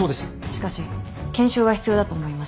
しかし検証は必要だと思います。